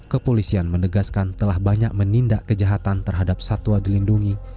kepolisian menegaskan telah banyak menindak kejahatan terhadap satwa dilindungi